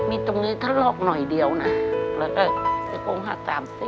มีตรงนี้ถ้าลอกหน่อยเดียวนะแล้วก็สะโพง๕๓๐